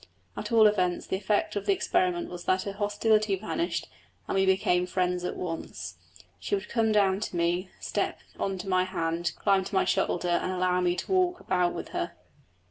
At all events the effect of the experiment was that her hostility vanished, and we became friends at once. She would come down to me, step on to my hand, climb to my shoulder, and allow me to walk about with her.